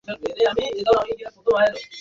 কিন্তু এটা ছিল ঝড়ের পূর্বাভাস।